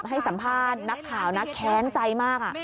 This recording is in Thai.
ให้สัมภาษณ์นักข่าวนะแค้นใจมาก